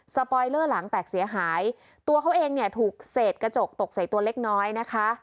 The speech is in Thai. ปอยเลอร์หลังแตกเสียหายตัวเขาเองเนี่ยถูกเศษกระจกตกใส่ตัวเล็กน้อยนะคะ